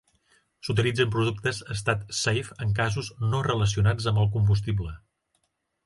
S'utilitzen productes Statsafe en casos no relacionats amb el combustible.